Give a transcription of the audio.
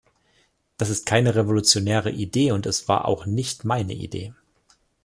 Das ist keine revolutionäre Idee und es war auch nicht meine Idee.